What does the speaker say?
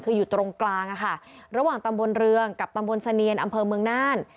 คืออยู่ตรงกลางค่ะระหว่างตำบลเรืองกับตำบลเสนียนอำเภอเมืองน่าน